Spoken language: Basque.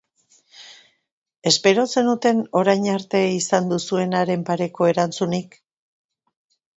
Espero zenuten orain arte izan duzuenaren pareko erantzunik?